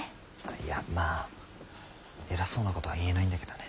いやまあ偉そうなことは言えないんだけどね。